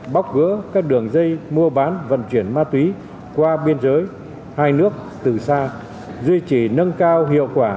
bóc gỡ các đường dây mua bán vận chuyển ma túy qua biên giới hai nước từ xa duy trì nâng cao hiệu quả